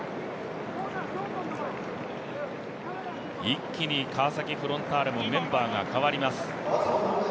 一気に川崎フロンターレもメンバーが代わります。